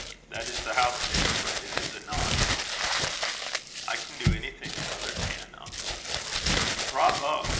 That is the housemaid's phrase, is it not?" "I can do anything another can, uncle." "Bravo!